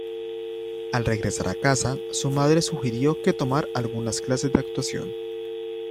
Al regresar a casa, su madre sugirió que tomar algunas clases de actuación.